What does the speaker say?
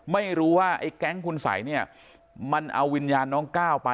ไม่รู้ว่าไอ้แก๊งคุณสัยเนี่ยมันเอาวิญญาณน้องก้าวไป